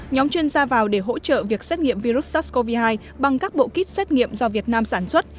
nhóm chuyên gia vào để hỗ trợ việc xét nghiệm virus sars cov hai bằng các bộ kit xét nghiệm do việt nam sản xuất